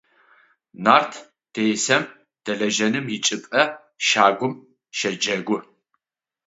Нарт десэм дэлэжьэным ычӀыпӀэ щагум щэджэгу.